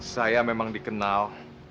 saya memang dikenal